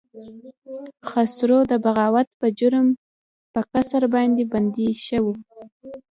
خسرو د بغاوت په جرم په قصر کې بندي شو.